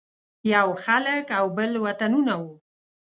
یو خلک او بل وطنونه وو.